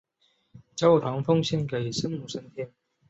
教堂奉献给圣母升天。